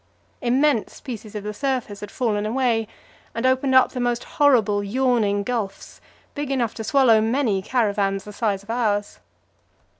Immense pieces of the surface had fallen away and opened up the most horrible yawning gulfs, big enough to swallow many caravans of the size of ours.